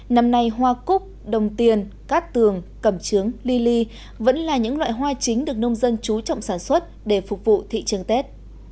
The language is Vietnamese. năm nay hoa cúc đồng tiền cát tường cầm trướng ly ly vẫn là những loại hoa chính được nông dân chú trọng sản xuất để phục vụ thị trường tết